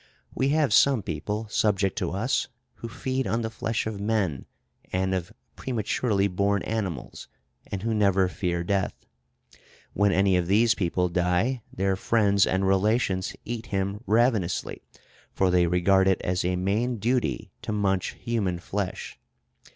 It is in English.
We have some people subject to us who feed on the flesh of men and of prematurely born animals, and who never fear death. When any of these people die, their friends and relations eat him ravenously, for they regard it as a main duty to munch human flesh.